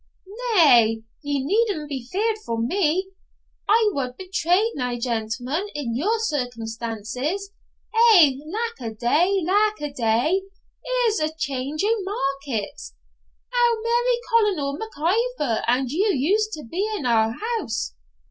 na, ye needna be feared for me. I wad betray nae gentleman in your circumstances. Eh, lack a day! lack a day! here's a change o' markets; how merry Colonel MacIvor and you used to be in our house!'